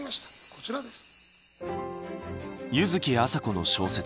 こちらです。